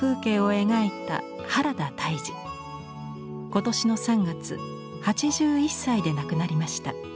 今年の３月８１歳で亡くなりました。